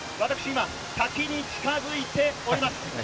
今、滝に近づいております。